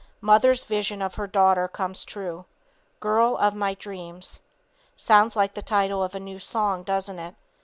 Mother's vision of her daughter comes true. Girl of my dreams. Sounds like the title of a new song, doesn't it.